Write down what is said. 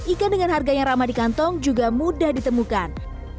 ikan dengan harga yang ramah di kantong juga mudah ditemukan